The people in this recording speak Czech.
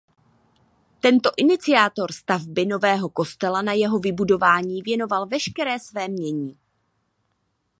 Tento iniciátor stavby nového kostela na jeho vybudování věnoval veškeré své jmění.